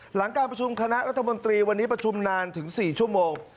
หลังการประชุมคณะรัฐมนตรีวันนี้ประชุมนานถึง๔ชั่วโมง